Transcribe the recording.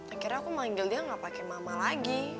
akhirnya aku manggil dia gak pakai mama lagi